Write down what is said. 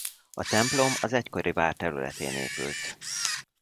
A templom az egykori vár területén épült.